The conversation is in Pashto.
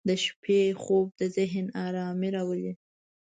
• د شپې خوب د ذهن آرامي راولي.